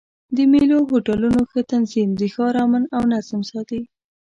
د مېلو او هوټلونو ښه تنظیم د ښار امن او نظم ساتي.